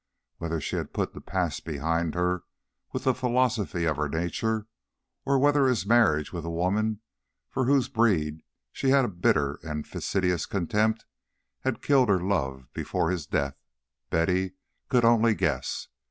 Whether she had put the past behind her with the philosophy of her nature, or whether his marriage with a woman for whose breed she had a bitter and fastidious contempt had killed her love before his death, Betty could only guess.